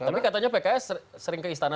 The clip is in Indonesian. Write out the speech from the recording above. tapi katanya pks sering ke istana